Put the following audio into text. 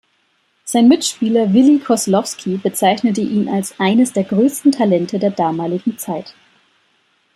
Sein Mitspieler Willi Koslowski bezeichnete ihn als „eines der größten Talente der damaligen Zeit“.